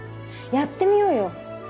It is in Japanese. やってみようよ！